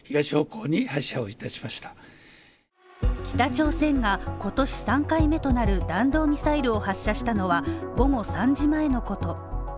北朝鮮が今年３回目となる弾道ミサイルを発射したのは午後３時前のこと。